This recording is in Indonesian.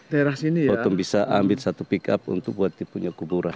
potong bisa ambil satu pickup untuk punya kuburan